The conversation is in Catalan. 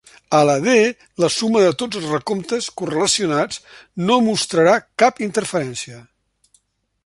A la D, la suma de tots els recomptes correlacionats no mostrarà cap interferència.